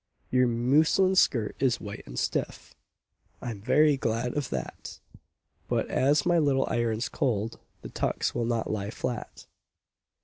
Your muslin skirt is white and stiff— I'm very glad of that; But as my little iron's cold, The tucks will not lie flat.